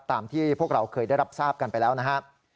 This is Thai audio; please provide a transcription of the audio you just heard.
ตามที่พวกเราเคยได้รับทราบกันไปแล้วนะครับ